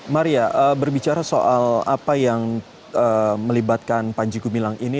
maria berbicara soal apa yang melibatkan panji gumilang ini